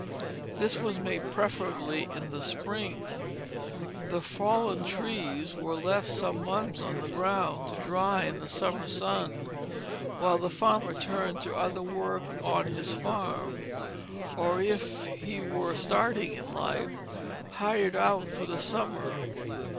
This was made preferably in the spring. The fallen trees were left some months on the ground to dry in the summer sun, while the farmer turned to other work on his farm, or, if he were starting in life, hired out for the summer.